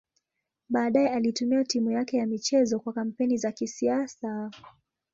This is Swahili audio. Baadaye alitumia timu yake ya michezo kwa kampeni za kisiasa.